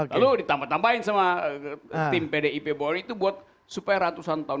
bukan tapi supaya tidak haduh bung karno